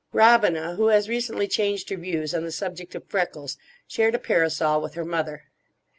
Robina, who has recently changed her views on the subject of freckles, shared a parasol with her mother.